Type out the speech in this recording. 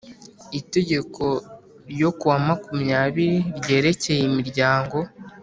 Itegeko ryo kuwa makumyabiri ryerekeye imiryango